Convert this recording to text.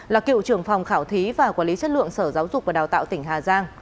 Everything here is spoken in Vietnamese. là cựu trưởng phòng khảo thí và quản lý chất lượng sở giáo dục và đào tạo tỉnh hà giang